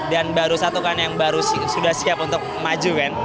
dan baru satu kan yang baru sudah siap untuk maju kan